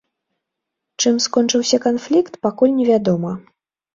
Чым скончыўся канфлікт, пакуль невядома.